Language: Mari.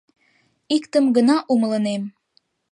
Иктым гына умылынем